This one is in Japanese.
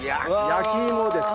焼き芋です。